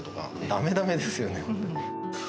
だめだめですよね、本当に。